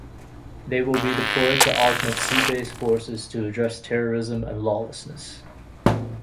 They will be deployed to augment sea-based forces to address terrorism and lawlessness.